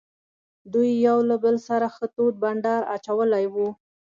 دوی یو له بل سره ښه تود بانډار اچولی وو.